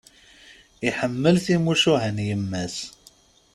Iḥemmel timucuha n yemma-s.